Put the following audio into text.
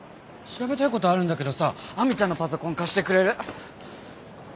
調べたい事あるんだけどさ亜美ちゃんのパソコン貸してくれる？